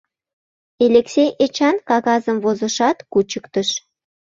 Элексей Эчан кагазым возышат, кучыктыш.